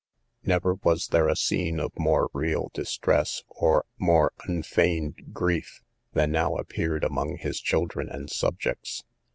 Never was there a scene of more real distress, or more unfeigned grief, than now appeared among his children and subjects.